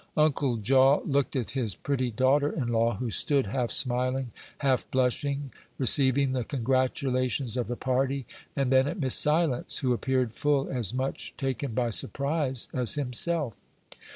Uncle Jaw looked at his pretty daughter in law, who stood half smiling, half blushing, receiving the congratulations of the party, and then at Miss Silence, who appeared full as much taken by surprise as himself.